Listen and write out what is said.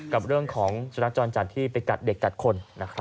กับเรื่องของสุนัขจรจัดที่ไปกัดเด็กกัดคน